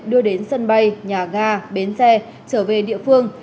đưa đến sân bay nhà ga bến xe trở về địa phương